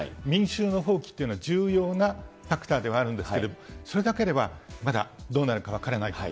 民衆の蜂起というのは重要なファクターではあるんですけど、それだけではまだどうなるか分からない。